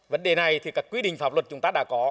vấn đề này thì các quy định pháp luật chúng ta đã có